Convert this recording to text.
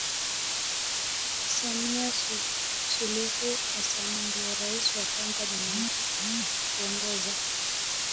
Samia Suluhu Hassanni Ndio rais wa Kwanza mwanamke kuongoza